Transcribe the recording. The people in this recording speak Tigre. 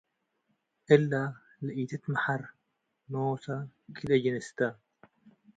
እለ ለኢትትመሐር ኖሰ ክልኤ ጅንስ ተ ።